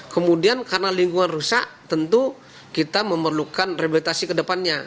kemudian karena lingkungan rusak tentu kita memerlukan rehabilitasi ke depannya